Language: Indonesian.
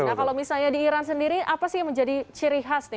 nah kalau misalnya di iran sendiri apa sih yang menjadi ciri khas nih